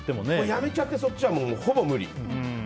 辞めちゃって、そっちはほぼ無理。